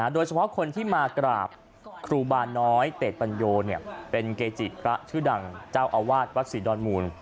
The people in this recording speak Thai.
โดยเฉพาะคนที่มากราบครูบาน้อยเต็ดปัญโยเป็นเกจิพระชื่อดังเจ้าอาวาสวัดศรีดอนมูล